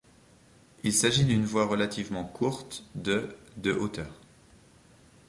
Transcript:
Il s'agit d'une voie relativement courte de de hauteur.